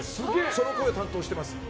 その声を担当してます。